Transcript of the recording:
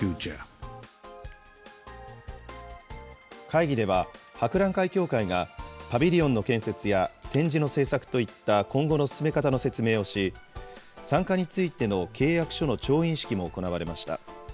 会議では、博覧会協会がパビリオンの建設や展示の制作といった今後の進め方の説明をし、参加についての契約書の調印式も行われました。